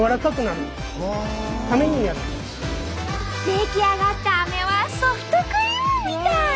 出来上がったアメはソフトクリームみたい！